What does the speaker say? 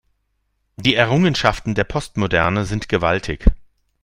Die Errungenschaften der Postmoderne sind gewaltig.